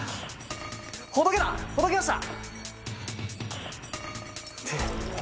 ほどけたほどけました！